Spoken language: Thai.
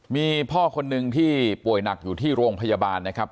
มีพ่อคนนึงที่ป่วยหนักอยู่ที่โรงพยาบาลนะครับ